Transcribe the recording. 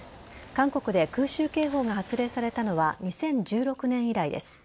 韓国で空襲警報が発令されたのは２０１６年以来です。